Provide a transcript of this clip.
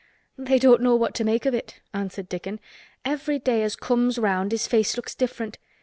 "They don't know what to make of it," answered Dickon. "Every day as comes round his face looks different.